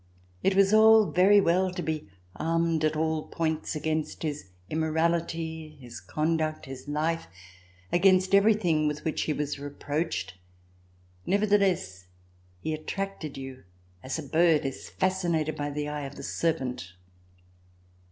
It was all very well to be armed at all points against his immorality, his conduct, his life, against everything with which he was reproached, nevertheless, he at tracted you as a bird is fascinated by the eye of the serpent.